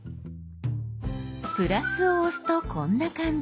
「プラス」を押すとこんな感じ。